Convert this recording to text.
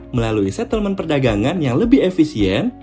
melalui settlement perdagangan yang lebih efisien